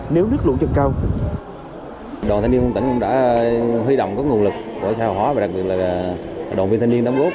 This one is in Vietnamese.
nếu nước lũ trần cao đoàn thanh niên quân tỉnh cũng đã huy động các nguồn lực của xã hội hóa và đặc biệt là đoàn viên thanh niên tấm gốt